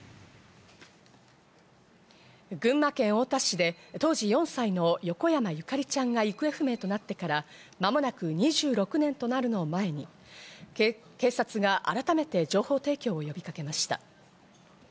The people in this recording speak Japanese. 群馬県太田市で当時４歳の横山ゆかりちゃんが行方不明となってから間もなく２６年となるのを前に、警察が改めて情報提供を呼びかけました。